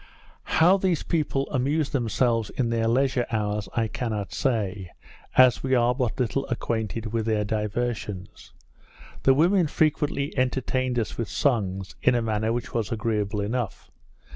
How these people amuse themselves in their leisure hours, I cannot say, as we are but little acquainted with their diversions. The women frequently entertained us with songs, in a manner which was agreeable enough.